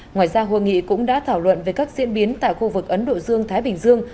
ngoài ra hội nghị cũng đã thảo luận về các diễn biến tại khu vực ấn độ dương thái bình dương